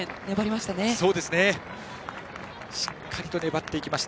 しっかりと粘っていきました。